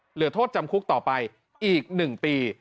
เหลือโทษจำคุกต่อไปอีก๑ปี